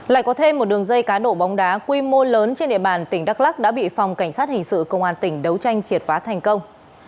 lại có thêm một đường dây cá độ bóng đá quy mô lớn trên địa bàn tỉnh đắk lắc đã bị phòng cảnh sát hình sự công an tỉnh đấu tranh triệt phá thành công